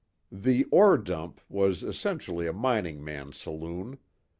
"The Ore Dump" was essentially a mining man's saloon.